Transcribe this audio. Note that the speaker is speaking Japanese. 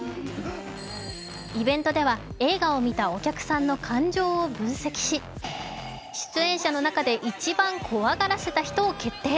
イベントでは映画を見たお客さんの感情を分析し、出演者の中で一番怖がらせた人を決定。